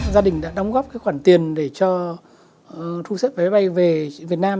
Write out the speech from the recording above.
gia đình đã đóng góp cái khoản tiền để cho thu xếp vé máy bay về việt nam